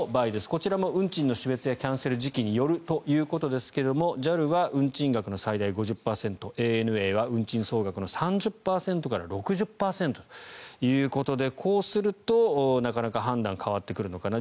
こちらの運賃の種別やキャンセルによるということですがＪＡＬは運賃額の最大５０％ＡＮＡは運賃総額の３０％から６０％ということでこうするとなかなか判断が変わってくるのかな。